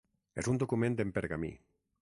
És un document en pergamí.